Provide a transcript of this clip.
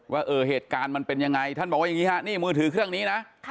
ว่าเออเหตุการณ์มันเป็นยังไงท่านบอกว่าอย่างนี้ฮะนี่มือถือเครื่องนี้นะ